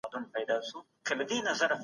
سنجيدګي د هر عمل لپاره ښه صفت دی.